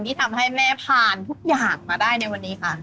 ที่ทำให้แม่ผ่านทุกอย่างมาได้ในวันนี้ค่ะ